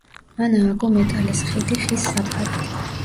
მან ააგო მეტალის ხიდი ხის საფარით.